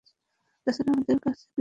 তাছাড়া আমাদের কাছে ক্রিসমাস কেক-ও আছে!